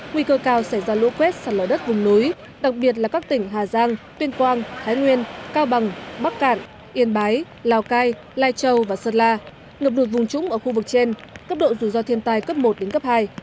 nguy cơ cao xảy ra lũ quét sẵn lở đất vùng núi đặc biệt là các tỉnh hà giang tuyên quang thái nguyên cao bằng bắc cạn yên bái lào cai lai châu và sơn la ngập đột vùng trúng ở khu vực trên cấp độ dù do thiên tài cấp một đến cấp hai